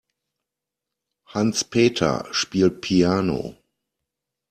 Hans-Peter spielt Piano.